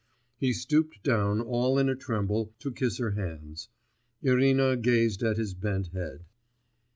He stooped down all in a tremble to kiss her hands. Irina gazed at his bent head.